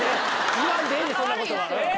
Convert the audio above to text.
言わんでええねんそんな事は。